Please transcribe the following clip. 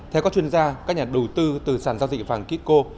theo các chuyên gia các nhà đầu tư từ sản giao dịch vàng kiko